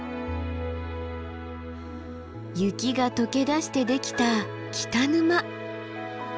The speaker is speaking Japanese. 雪が解けだしてできた北沼！